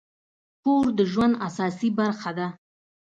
کور د ژوند اساسي برخه ده.